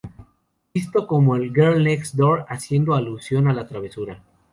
Visto como el "Girl Next Door", haciendo alusión a la travesura.